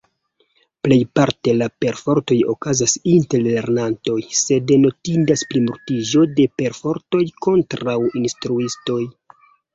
Plejparte la perfortoj okazas inter lernantoj, sed notindas plimultiĝo de perfortoj kontraŭ instruistoj.